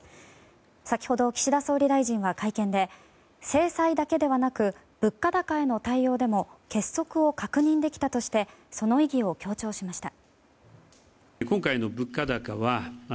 先ほど、岸田総理大臣は会見で、制裁だけではなく物価高への対応でも結束を確認できたとしてその意義を強調しました。